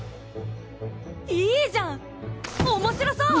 いいじゃん面白そう！